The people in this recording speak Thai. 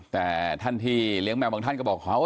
แต่ท่านที่เลี้ยงแมวบางท่านก็บอก